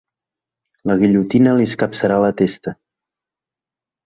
La guillotina li escapçarà la testa.